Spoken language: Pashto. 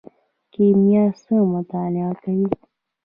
کیمیا څه مطالعه کوي؟